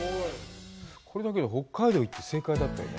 これ、北海道行って正解だったよね。